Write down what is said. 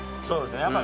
そうですね。